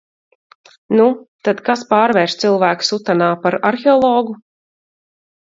Nu, tad kas pārvērš cilvēku sutanā par arheologu?